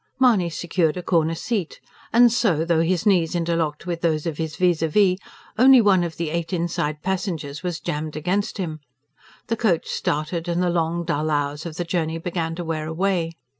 Mahony secured a corner seat; and so, though his knees interlocked with those of his VIS A VIS, only one of the eight inside passengers was jammed against him. The coach started; and the long, dull hours of the journey began to wear away.